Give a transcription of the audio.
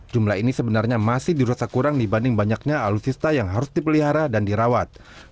jumlah ini sebenarnya masih dirasa kurang dibanding banyaknya alutsista yang harus dipelihara dan dirawat